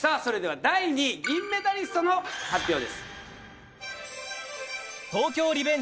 それでは第２位銀メダリストの発表です